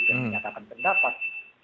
dan menyatakan pendapat